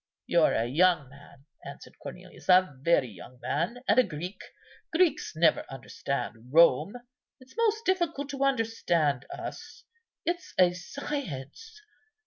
"You're a young man," answered Cornelius, "a very young man, and a Greek. Greeks never understand Rome. It's most difficult to understand us. It's a science.